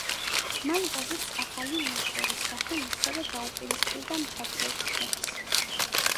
მან გაზეთს ახალი, „მუშური“ სახე მისცა და დაუპირისპირა „მჩაგვრელთა“ ფენას.